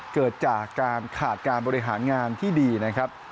เกิดจากการขาดการบริหารงานที่ดีนะครับ